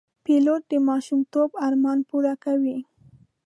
پیلوټ د ماشومتوب ارمان پوره کوي.